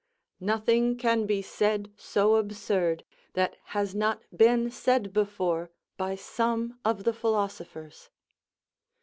_ "Nothing can be said so absurd, that has not been said before by some of the philosophers."